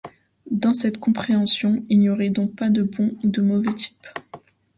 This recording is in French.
Dans cette compréhension, il n'y aurait donc pas de bons ou de mauvais types.